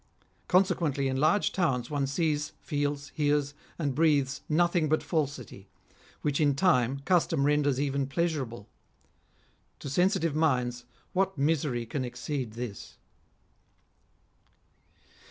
Consequently, in large towns one sees, feels, hears, and breathes nothing but falsity, which in time, custom renders even pleasurable. To sensitive minds, what misery can exceed this